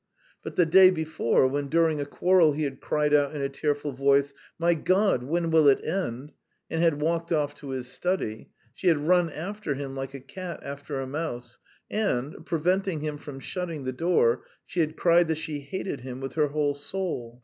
But the day before, when during a quarrel he had cried out in a tearful voice, "My God, when will it end?" and had walked off to his study, she had run after him like a cat after a mouse, and, preventing him from shutting the door, she had cried that she hated him with her whole soul.